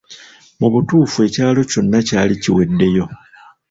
Mu butuufu ekyalo kyonna kyali kiweddeyo.